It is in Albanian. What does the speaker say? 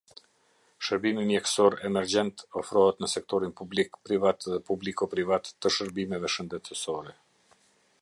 Shërbimi mjekësor emergjent ofrohet në sektorin publik, privat dhe publiko-privat të shërbimeve shëndetësore.